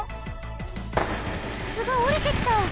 つつがおりてきた！